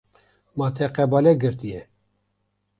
Ma te qebale girtiye.